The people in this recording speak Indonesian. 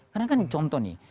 karena kan contoh nih